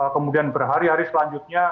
kemudian berhari hari selanjutnya